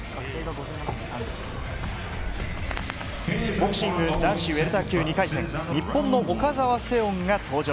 ボクシング男子ウエルター級２回戦、日本の岡澤セオンが登場。